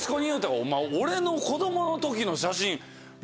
お前俺の子供の時の写真。